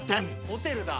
ホテルだ。